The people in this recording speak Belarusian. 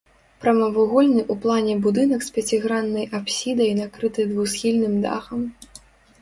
Прамавугольны ў плане будынак з пяціграннай апсідай накрыты двухсхільным дахам.